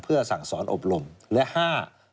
เพื่อสั่งสอนอบรมและห้า